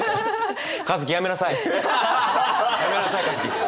やめなさい花月。